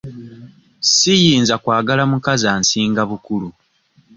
Siyinza kwagala mukazi ansinga bukulu.